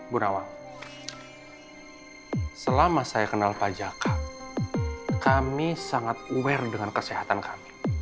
bu nawang selama saya kenal pak jaka kami sangat aware dengan kesehatan kami